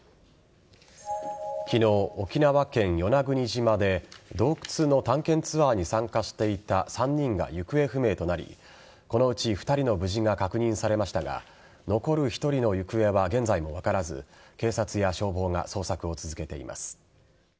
昨日、沖縄県与那国島で洞窟の探検ツアーに参加していた３人が行方不明となりこのうち２人の無事が確認されましたが残る１人の行方は現在も分からず警察や消防が捜索を続けています。